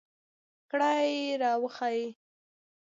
کړئ را ویښې